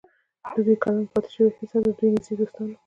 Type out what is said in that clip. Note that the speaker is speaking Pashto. د دوي د کلام پاتې شوې حصه د دوي نزدې دوستانو